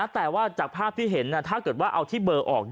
แต่ว่าจากภาพที่เห็นถ้าเกิดว่าเอาที่เบอร์ออก